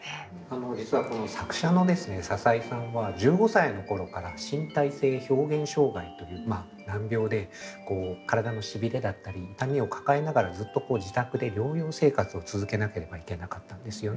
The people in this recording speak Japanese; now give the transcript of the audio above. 実はこの作者のですね笹井さんは１５歳の頃から身体性表現障害という難病で体のしびれだったり痛みを抱えながらずっとこう自宅で療養生活を続けなければいけなかったんですよね。